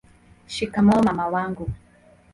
shikamoo mama wangu